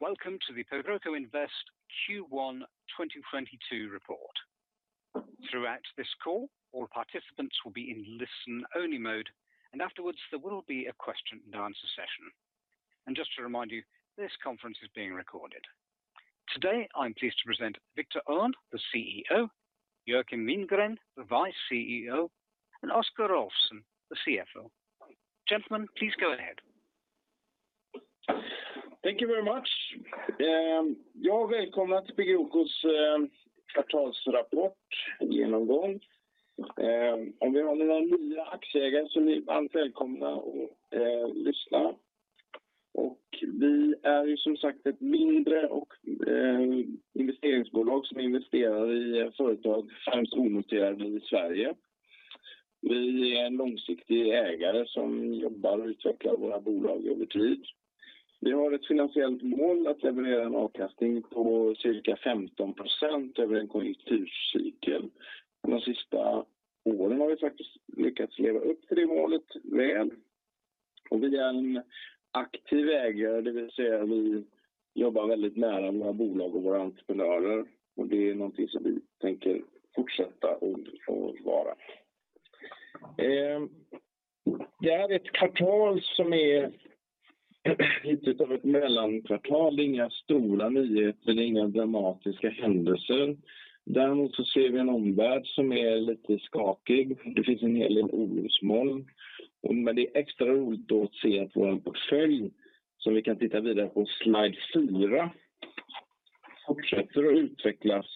Welcome to the Navigo Invest Q1 2022 report. Throughout this call, all participants will be in listen only mode, and afterwards, there will be a question and answer session. Just to remind you, this conference is being recorded. Today, I'm pleased to present Viktor Åhlund, the CEO, Joakim Winggren, the Deputy CEO, and Oscar Olsson, the CFO. Gentlemen, please go ahead. Thank you very much. Ja, välkomna till Pegroco's kvartalsrapport genomgång. Om vi har några nya aktieägare så är ni alla välkomna att lyssna. Vi är ju som sagt ett mindre och investeringsbolag som investerar i företag främst onoterade i Sverige. Vi är en långsiktig ägare som jobbar och utvecklar våra bolag över tid. Vi har ett finansiellt mål att leverera en avkastning på cirka 15% över en konjunkturcykel. De sista åren har vi faktiskt lyckats leva upp till det målet väl. Vi är en aktiv ägare, det vill säga vi jobbar väldigt nära med våra bolag och våra entreprenörer och det är någonting som vi tänker fortsätta och vara. Det är ett kvartal som är ett mellankvartal. Inga stora nyheter, inga dramatiska händelser. Däremot så ser vi en omvärld som är lite skakig. Det finns en hel del stormmoln och det är extra roligt att se att vår portfölj som vi kan titta vidare på slide 4 fortsätter att utvecklas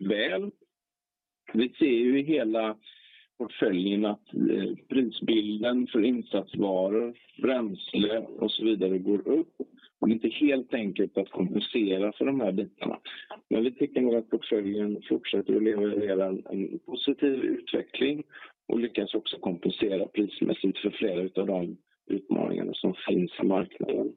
väl. Vi ser ju i hela portföljen att prisbilden för insatsvaror, bränsle och så vidare går upp. Det är inte helt enkelt att kompensera för de här bitarna. Vi tycker nog att portföljen fortsätter att leverera en positiv utveckling och lyckas också kompensera prismässigt för flera utav de utmaningarna som finns i marknaden.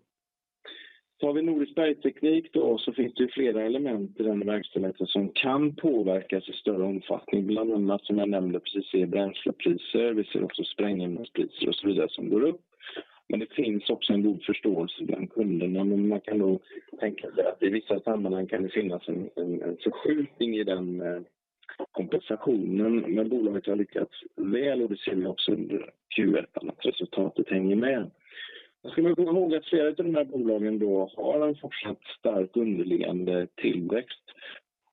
Tar vi Nordisk Bergteknik då så finns det ju flera element i den verksamheten som kan påverkas i större omfattning, bland annat som jag nämnde precis i bränslepriser. Vi ser också sprängämnespriser och så vidare som går upp. Det finns också en god förståelse bland kunderna. Man kan nog tänka sig att i vissa sammanhang kan det finnas en förskjutning i den kompensationen. Bolaget har lyckats väl och det ser vi också under Q1 att resultatet hänger med. Man ska väl komma ihåg att flera utav de här bolagen då har en fortsatt stark underliggande tillväxt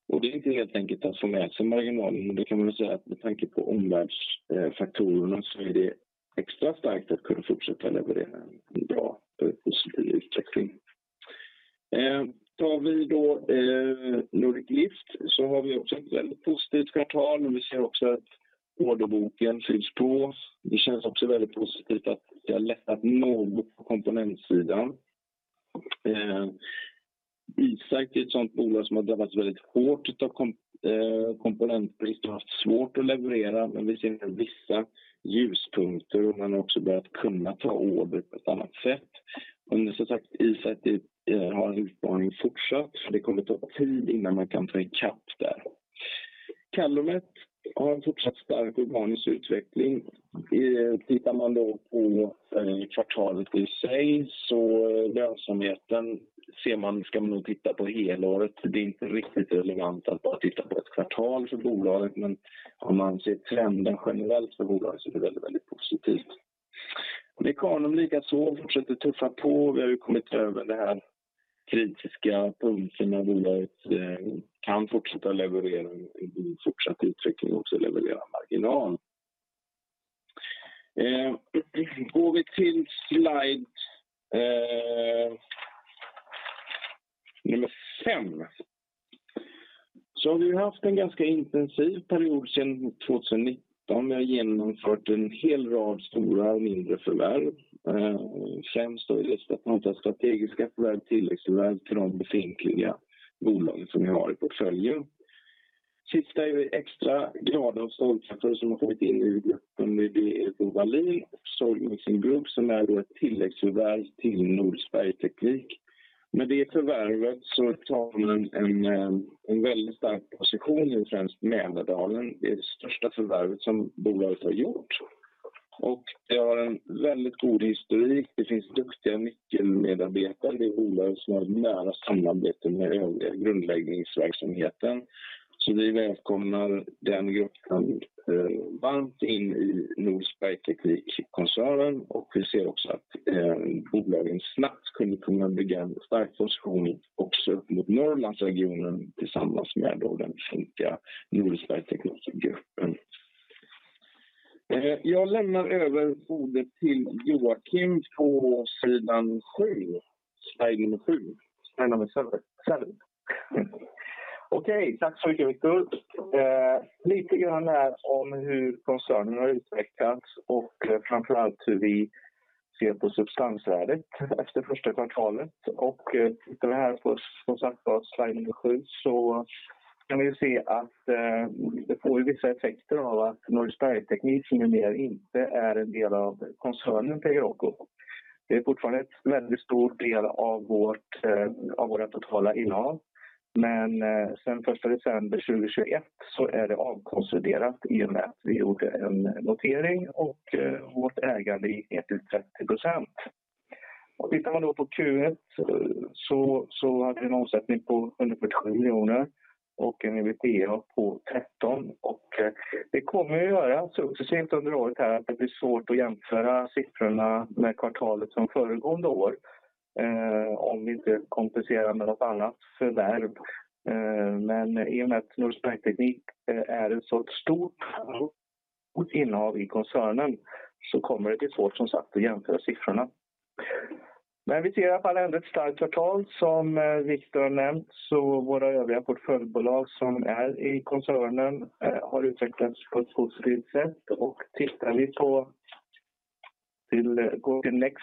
och det är inte helt enkelt att få med sig marginalen. Det kan man väl säga att med tanke på omvärldsfaktorerna så är det extra starkt att kunna fortsätta leverera en bra positiv utveckling. Tar vi då Nordic Lift så har vi också ett väldigt positivt kvartal. Vi ser också att orderboken fylls på. Det känns också väldigt positivt att det har lättat något på komponentsidan. Izact är ett sådant bolag som har drabbats väldigt hårt utav komponentbrist och haft svårt att leverera, men vi ser vissa ljuspunkter och man har också börjat kunna ta order på ett annat sätt. Under så sett Izact har utmaningen fortsatt. Det kommer att ta tid innan man kan ta ikapp där. CalorMet har en fortsatt stark organisk utveckling. Tittar man då på kvartalet i sig så lönsamheten ser man, ska man nog titta på helåret. Det är inte riktigt relevant att bara titta på ett kvartal för bolaget, men om man ser trenden generellt för bolaget så är det väldigt positivt. Mechanum likaså fortsätter tuffa på. Vi har ju kommit över det här kritiska punkten när bolaget kan fortsätta leverera en fortsatt utveckling och också leverera marginal. Går vi till slide nummer 5. Så har vi haft en ganska intensiv period sedan 2019. Vi har genomfört en hel rad stora och mindre förvärv. Främst då är det strategiska förvärv, tilläggsförvärv för de befintliga bolagen som vi har i portföljen. Sista är ju extra grad av stålkonstruktion som har kommit in i gruppen. Det är då Wallins & Söréns Grupp som är då ett tilläggsförvärv till Nordisk Bergteknik. Med det förvärvet så tar man en väldigt stark position i främst Mälardalen. Det är det största förvärvet som bolaget har gjort. Det har en väldigt god historik. Det finns duktiga nyckelmedarbetare. Det är bolag som har ett nära samarbete med övriga grundläggningsverksamheten. Vi välkomnar den gruppen varmt in i Nordisk Bergteknik-koncernen och vi ser också att bolagen snabbt skulle kunna bygga en stark position också upp mot Norrlandsregionen tillsammans med då den fulla Nordisk Bergteknik-gruppen. Jag lämnar över ordet till Joakim på sidan sju. Slide nummer sju. Okej, tack så mycket Viktor. Lite grann här om hur koncernen har utvecklats och framför allt hur vi ser på substansvärdet efter första kvartalet. Tittar vi här på som sagt var slide number 7 så kan vi se att det får ju vissa effekter av att Nordisk Bergteknik som ju mer inte är en del av koncernen Pegroco. Det är fortfarande ett väldigt stor del av vårt av våra totala innehav. Men sen första december 2021 så är det avkonsoliderat i och med att vi gjorde en notering och vårt ägande gick ner till 30%. Tittar man då på Q1 så hade vi en omsättning på 140 million och en EBITDA på 13. Det kommer att göra successivt under året här att det blir svårt att jämföra siffrorna med kvartalet från föregående år, om vi inte kompenserar med något annat förvärv. I och med att Nordisk Bergteknik är ett så stort innehav i koncernen så kommer det bli svårt som sagt att jämföra siffrorna. Vi ser i alla fall ändå ett starkt kvartal. Som Viktor har nämnt så våra övriga portföljbolag som är i koncernen har utvecklats på ett positivt sätt. Tittar vi på next.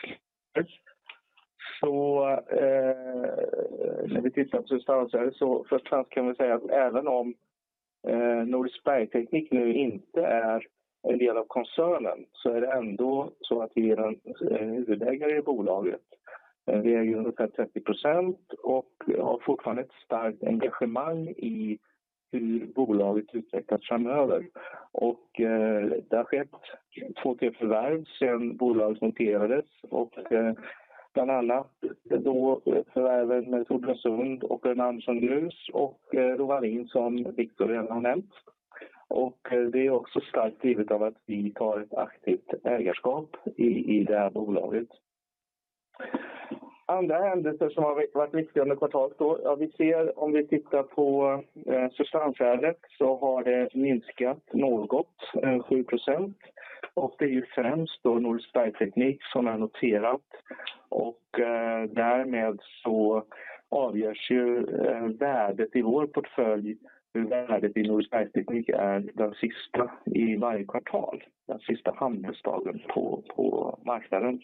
När vi tittar på substansvärde så först och främst kan vi säga att även om Nordisk Bergteknik nu inte är en del av koncernen så är det ändå så att vi är en huvudägare i bolaget. Vi äger ungefär 30% och har fortfarande ett starkt engagemang i hur bolaget utvecklas framöver. Det har skett 2, 3 förvärv sedan bolaget noterades och bland annat då förvärven med Södra Sund och sedan Anderssons Grus och då Wallins som Viktor redan har nämnt. Det är också starkt drivet av att vi har ett aktivt ägarskap i det här bolaget. Andra händelser som har varit viktigt under kvartalet då. Ja, vi ser om vi tittar på substansvärdet så har det minskat något 7%. Det är främst då Nordisk Bergteknik som är noterat. Därmed så avgörs ju värdet i vår portfölj, hur värdet i Nordisk Bergteknik är den sista i varje kvartal, den sista handelsdagen på marknaden.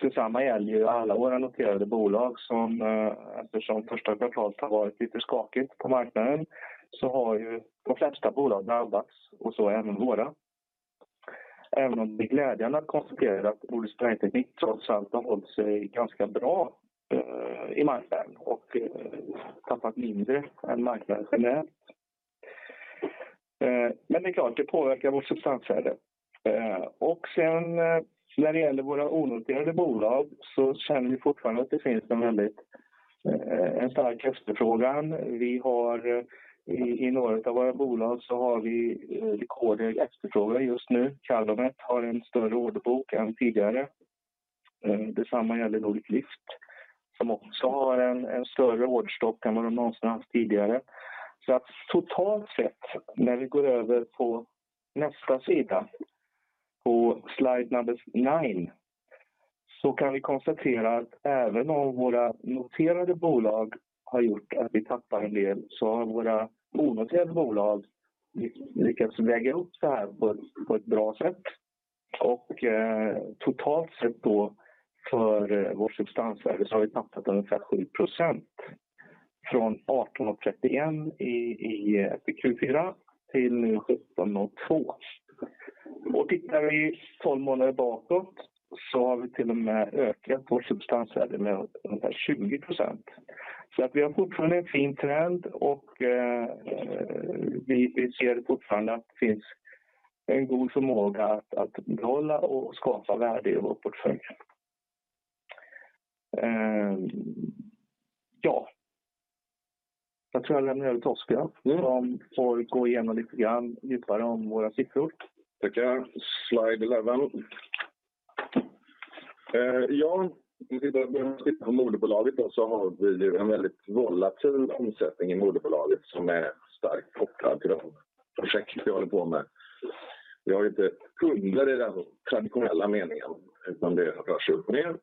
Detsamma gäller ju alla våra noterade bolag som eftersom första kvartalet har varit lite skakigt på marknaden så har ju de flesta bolagen drabbats och så även våra. Även om det är glädjande att konstatera att Nordisk Bergteknik trots allt har hållit sig ganska bra i marknaden och tappat mindre än marknaden generellt. Det är klart, det påverkar vårt substansvärde. När det gäller våra onoterade bolag så känner vi fortfarande att det finns en väldigt stark efterfrågan. Vi har i något av våra bolag rekordhög efterfrågan just nu. CalorMet har en större orderbok än tidigare. Detsamma gäller Nordic Lift som också har en större orderstock än vad de någonsin haft tidigare. Totalt sett, när vi går över på nästa sida, på slide number 9, kan vi konstatera att även om våra noterade bolag har gjort att vi tappar en del så har våra onoterade bolag lyckats väga upp det här på ett bra sätt. Totalt sett då för vårt substansvärde har vi tappat ungefär 7% från 18.31 i Q4 till nu 17.02. Tittar vi 12 månader bakåt så har vi till och med ökat vårt substansvärde med ungefär 20%. Vi har fortfarande en fin trend och vi ser fortfarande att det finns en god förmåga att behålla och skapa värde i vår portfölj. Ja, jag tror jag lämnar över till Oscar som får gå igenom lite grann djupare om våra siffror. Tack. Slide 11. Om vi tittar på moderbolaget då så har vi en väldigt volatil omsättning i moderbolaget som är starkt kopplad till de projekt vi håller på med. Vi har inte kunder i den traditionella meningen, utan det rör sig om mer.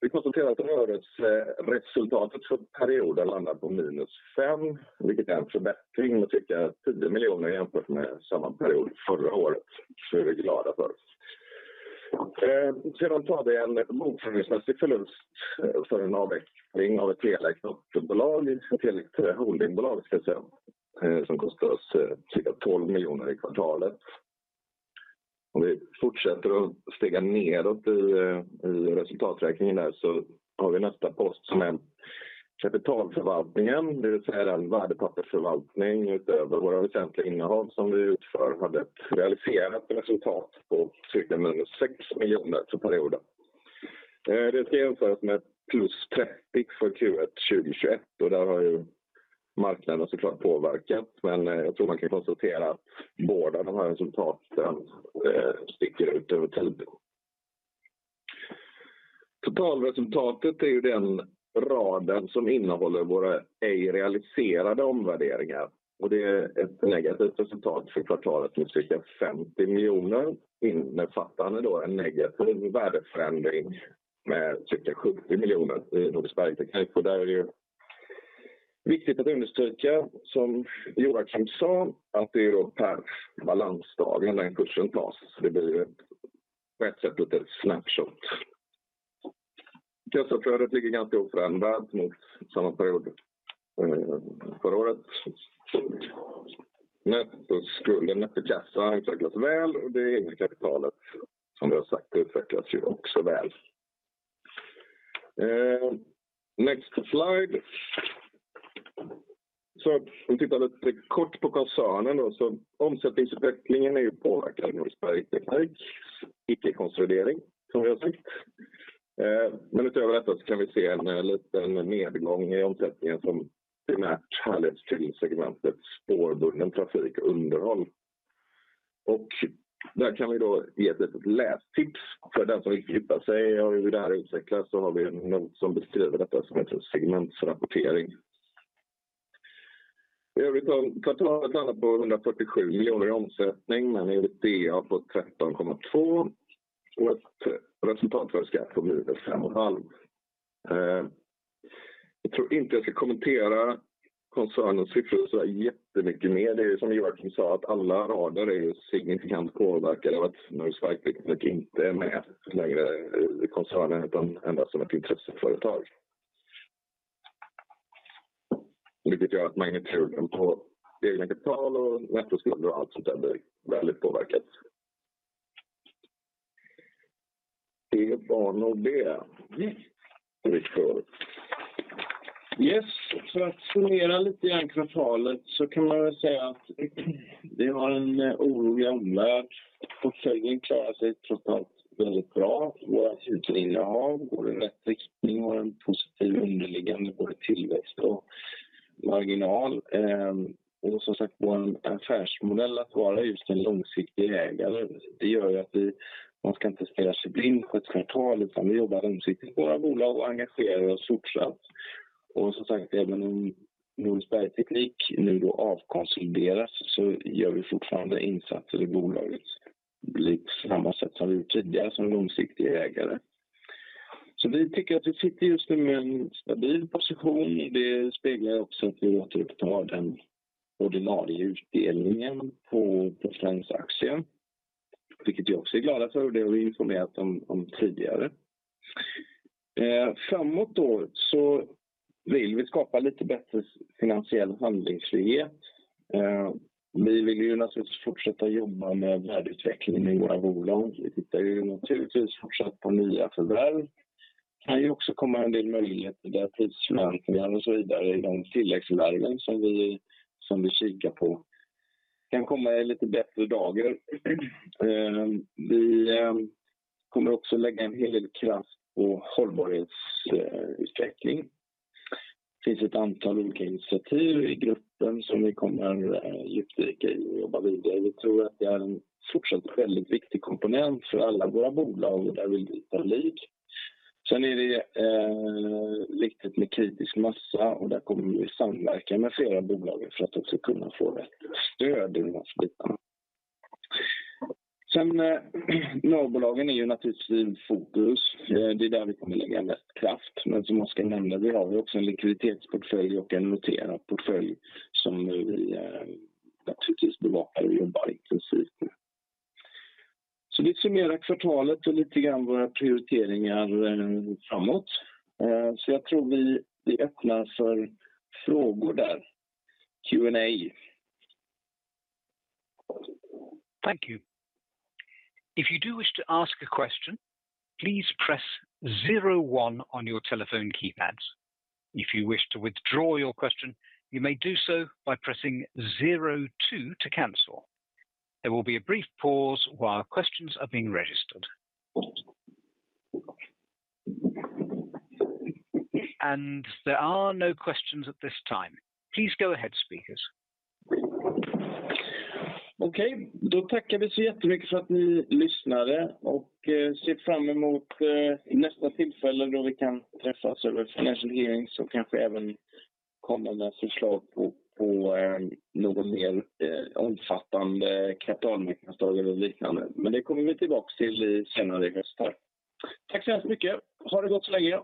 Vi konstaterar att årets resultat för perioden landar på -5 million, vilket är en förbättring med cirka 10 miljoner jämfört med samma period förra året. Det är vi glada för. Sen har vi en bokföringsmässig förlust för en avveckling av ett delägt dotterbolag, delägt holdingbolag ska jag säga, som kostar oss cirka 12 miljoner i kvartalet. Om vi fortsätter att stega nedåt i resultaträkningen där så har vi nästa post som är kapitalförvaltningen, det vill säga den värdepappersförvaltning utöver våra väsentliga innehav som vi utför, hade ett realiserat resultat på cirka -6 miljoner för perioden. Det ska jämföras med +30 för Q1 2021 och där har ju marknaden så klart påverkat. Men jag tror man kan konstatera att båda de här resultaten sticker ut över tid. Totalresultatet är ju den raden som innehåller våra ej realiserade omvärderingar och det är ett negativt resultat för kvartalet med cirka 50 miljoner, innefattande då en negativ värdeförändring med cirka 70 miljoner i Nordisk Bergteknik. Och där är det ju viktigt att understryka, som Joakim sa, att det är då per balansdagen den kursen tas. Det blir på ett sätt lite ett snapshot. Kassaflödet ligger ganska oförändrat mot samma period förra året. Nettoskuld, netto kassa har utvecklats väl och det egna kapitalet som vi har sagt utvecklas ju också väl. Next slide. Om vi tittar lite kort på koncernen då så omsättningsutvecklingen är ju påverkad av Nordisk Bergteknik, icke konsolidering som vi har sagt. Utöver detta så kan vi se en liten nedgång i omsättningen som primärt härleds till segmentet spårbunden trafik och underhåll. Där kan vi då ge ett litet lästips för den som vill fördjupa sig och vill höra hur det här utvecklas så har vi en not som beskriver detta som heter segmentsrapportering. I övrigt då, kvartalet landar på SEK 147 miljoner i omsättning men med ett EBITDA på 13.2 och ett resultat före skatt på -5.5. Jag tror inte jag ska kommentera koncernens siffror så jättemycket mer. Det är ju som Georg sa att alla rader är ju signifikant påverkade av att Nordisk Bergteknik inte är med längre i koncernen utan endast som ett intresseföretag. Vilket gör att magnituden på eget kapital och nettoskuld och allt sånt där blir väldigt påverkat. Det var nog det vi får. Yes, för att summera lite grann kvartalet så kan man väl säga att vi har en orolig omvärld. Portföljen klarar sig trots allt väldigt bra. Våra huvudinnehav går i rätt riktning och har en positiv underliggande både tillväxt och marginal. Som sagt, vår affärsmodell att vara just en långsiktig ägare, det gör ju att vi, man ska inte stirra sig blind för ett kvartal, utan vi jobbar långsiktigt i våra bolag och engagerar oss fortsatt. Som sagt, även om Nordisk Bergteknik nu då avkonsolideras så gör vi fortfarande insatser i bolaget på liksom samma sätt som vi gjort tidigare som långsiktig ägare. Vi tycker att vi sitter just nu med en stabil position. Det speglar också att vi återupptar den ordinarie utdelningen på Pegroco's aktier, vilket vi också är glada för och det har vi informerat om tidigare. Framåt då så vill vi skapa lite bättre finansiell handlingsfrihet. Vi vill ju naturligtvis fortsätta jobba med värdeutvecklingen i våra bolag. Vi tittar ju naturligtvis fortsatt på nya förvärv. Kan ju också komma en del möjligheter där positionshantering och så vidare i de tilläggsförvärven som vi kikar på. Kan komma i lite bättre dager. Vi kommer också lägga en hel del kraft på hållbarhetsutsträckning. Det finns ett antal olika initiativ i gruppen som vi kommer djupdyka i och jobba vidare. Vi tror att det är en fortsatt väldigt viktig komponent för alla våra bolag och där vill vi ta lead. Det är lite med kritisk massa och där kommer vi samverka med flera bolag för att också kunna få rätt stöd i de här bitarna. Norra bolagen är ju naturligtvis i fokus. Det är där vi kommer lägga mest kraft. Som jag ska nämna, vi har ju också en likviditetsportfölj och en noterad portfölj som vi naturligtvis bevakar och jobbar intensivt med. Det summerar kvartalet och lite grann våra prioriteringar framåt. Jag tror vi öppnar för frågor där. Q&A. Thank you. If you do wish to ask a question, please press zero one on your telephone keypads. If you wish to withdraw your question, you may do so by pressing zero two to cancel. There will be a brief pause while questions are being registered. There are no questions at this time. Please go ahead speakers. Okej, då tackar vi så jättemycket för att ni lyssnade och ser fram emot i nästa tillfälle då vi kan träffas över financial hearing så kanske även kommande förslag på någon mer omfattande kapitalmarknadsdag eller liknande. Det kommer vi tillbaka till i senare höst här. Tack så hemskt mycket. Ha det gott så länge.